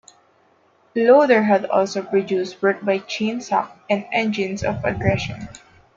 Lowder had also produced work by Chainsuck and Engines of Aggression.